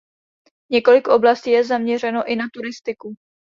Několik oblastí je zaměřeno i na turistiku.